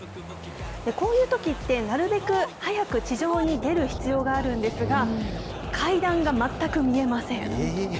こういうときって、なるべく早く地上に出る必要があるんですが、階段が全く見えません。